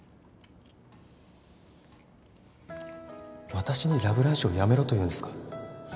私にラ・ブランシュを辞めろというんですか？